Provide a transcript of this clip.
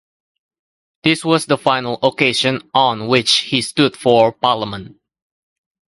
This was the final occasion on which he stood for parliament.